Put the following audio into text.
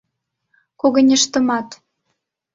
— Когыньыштынымат.